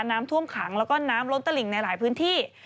น้ำท่วมขังแล้วก็น้ำล้นตลิ่งในหลายพื้นที่